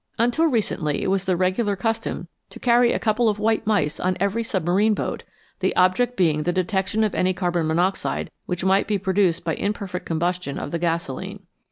"" Until recently it was the regular custom to carry a couple of white mice on every submarine boat, the object being the detection of any carbon monoxide which might be produced by imperfect combustion of the gasolene.